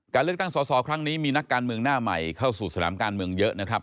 เลือกตั้งสอสอครั้งนี้มีนักการเมืองหน้าใหม่เข้าสู่สนามการเมืองเยอะนะครับ